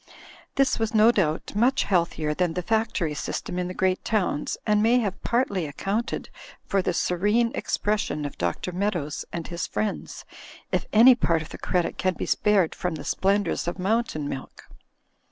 This was no doubt much healthier than the factory system in the great towns and may have partly accoimted for the serene expression of Dr. Meadows and his friends, if any part of the credit can be spared from the splendours of Mountain Milk.